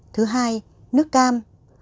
thứ hai nước cam